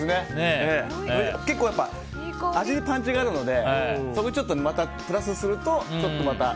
結構、味にパンチがあるのでそこにまたプラスするとちょっと。